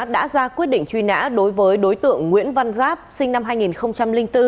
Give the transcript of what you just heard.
đã ra quyết định truy nã đối với đối tượng nguyễn văn giáp sinh năm hai nghìn bốn